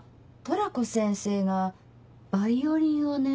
トラコ先生がバイオリンをね。